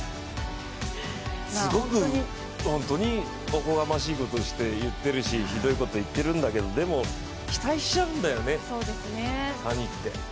すごく本当におこがましいこと言ってるし、ひどいこと言ってるんだけどでも期待しちゃうんだよね、サニって。